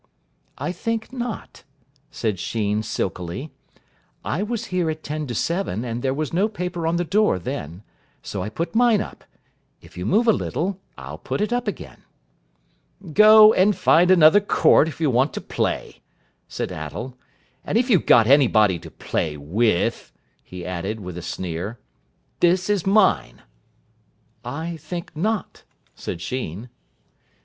"I think not," said Sheen silkily. "I was here at ten to seven, and there was no paper on the door then. So I put mine up. If you move a little, I'll put it up again." "Go and find another court, if you want to play," said Attell, "and if you've got anybody to play with," he added with a sneer. "This is mine." "I think not," said Sheen.